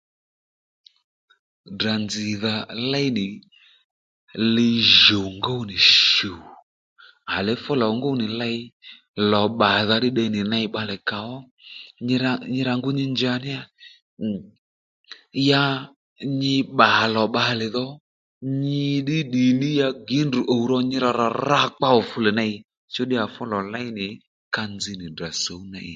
Ddrà nzz̀dha léy nì li jùw ngú nì shù à le fú lò ngú nì ley lò pbàdha ddí tde nì ney bbalè kà ó nyirà nyirà ngu nyi njà ní yà ya nyi pbà lò bbale dhò nyi ddí ddì ní ya Gindru ùw ro nyira rà rakpa ò fuè ney chú ddíyà fú lò ley nì ka nzz nì Ddrà sǔw ney